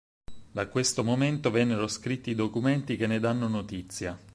Da questo momento vennero scritti documenti che ne danno notizia.